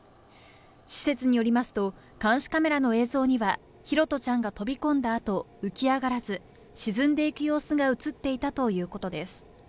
施設によりますと、監視カメラの映像には、拓杜ちゃんが飛び込んだ後、浮き上がらず沈んでいく様子が映っていたということです。